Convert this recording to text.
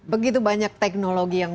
begitu banyak teknologi yang